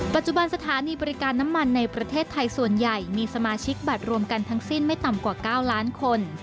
ปัจจุบันสถานีบริการน้ำมันในประเทศไทยส่วนใหญ่มีสมาชิกบัตรรวมกันทั้งสิ้นไม่ต่ำกว่า๙ล้านคน